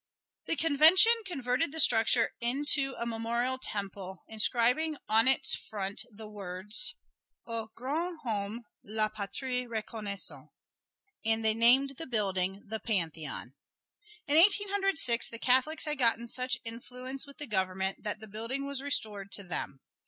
The Convention converted the structure into a memorial temple, inscribing on its front the words, "Aux grandes Hommes la patrie reconnaisante," and they named the building the Pantheon. In Eighteen Hundred Six, the Catholics had gotten such influence with the government that the building was restored to them.